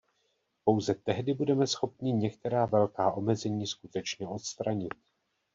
Pouze tehdy budeme schopni některá velká omezení skutečně odstranit.